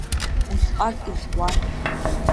Усҟак иӷәӷәан…